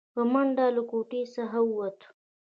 په منډه له کوټې څخه ووته.